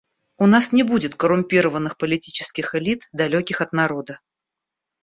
У нас не будет коррумпированных политических элит, далеких от народа.